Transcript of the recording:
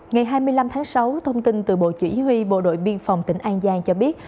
ngày hai mươi năm tháng sáu thông tin từ bộ chỉ huy bộ đội biên phòng tỉnh an giang cho biết